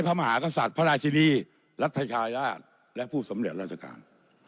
พระมหากษัตริย์พระราชินีรัฐชายาศและผู้สำเร็จราชการ